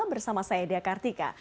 bersama saya daya kartika